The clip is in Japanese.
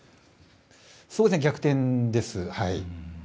そうですね、逆転です。